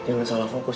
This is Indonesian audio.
jangan salah fokus